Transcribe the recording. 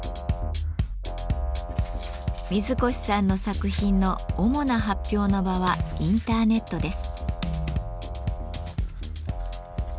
水越さんの作品の主な発表の場はインターネットです。